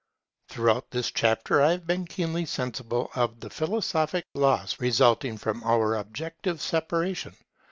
Throughout this chapter I have been keenly sensible of the philosophic loss resulting from our objective separation.